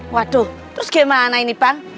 waduh terus gimana ini bang